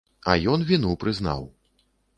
А ён віну прызнаў.